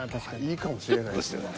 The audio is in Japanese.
いいかもしれないですね。